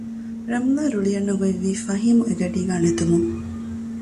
ރަމްލާ ރުޅި އަންނަގޮތްވީ ފަހީމު އެގަޑީގައި ނެތުމުން